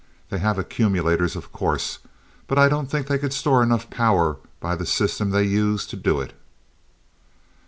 They have accumulators, of course, but I don't think they could store enough power by the system they use to do it."